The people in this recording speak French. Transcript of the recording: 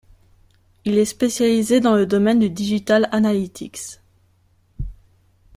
Il est spécialisé dans le domaine du Digital Analytics.